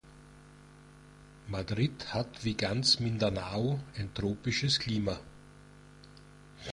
Madrid hat wie ganz Mindanao ein tropisches Klima.